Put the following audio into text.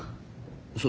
そう。